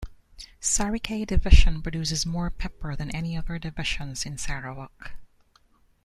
Sarikei Division produces more pepper than any other divisions in Sarawak.